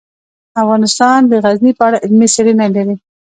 افغانستان د غزني په اړه علمي څېړنې لري.